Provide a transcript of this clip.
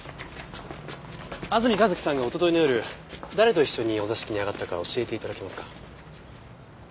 安住一輝さんがおとといの夜誰と一緒にお座敷に上がったか教えて頂けますか？